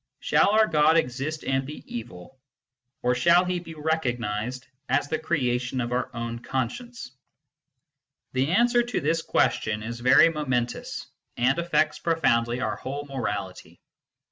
Shall our God exist and be evil, or shall he be recognised as the creation of our own conscience ? The answer to this question is very momentous, and affects profoundly our whole morality.